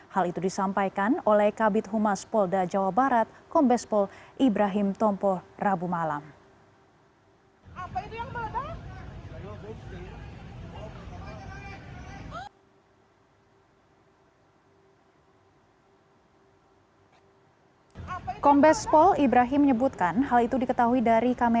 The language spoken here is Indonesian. hal itu disampaikan oleh kabit humas polda jawa barat kombespol ibrahim tompo rabu malam